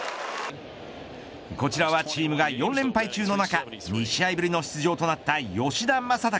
こちらはチームが４連敗中の中２試合ぶりの出場となった吉田正尚。